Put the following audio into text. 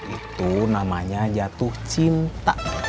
itu namanya jatuh cinta